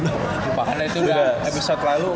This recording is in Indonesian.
lupakan lah itu udah episode lalu